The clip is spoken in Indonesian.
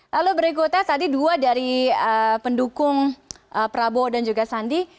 lalu berikutnya tadi dua dari pendukung prabowo dan juga sandi